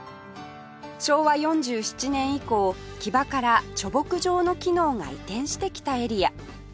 昭和４７年以降木場から貯木場の機能が移転してきたエリア